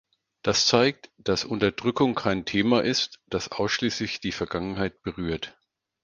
Das zeigt, dass Unterdrückung kein Thema ist, das ausschließlich die Vergangenheit berührt.